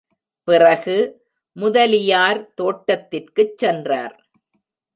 பிறகு, முதலியார் தோட்டத்திற்குச் சென்றார்.